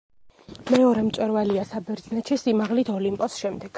მეორე მწვერვალია საბერძნეთში სიმაღლით ოლიმპოს შემდეგ.